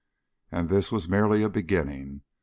And this was merely a beginning.